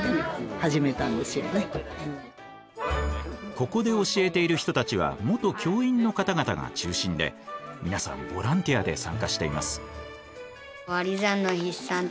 ここで教えている人たちは元教員の方々が中心で皆さんボランティアで参加しています。